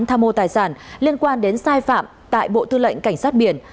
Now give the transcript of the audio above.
tham mô tài sản liên quan đến sai phạm tại bộ tư lệnh cảnh sát biển